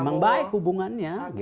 emang baik hubungannya